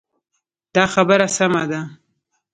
دا خبره سمه ده.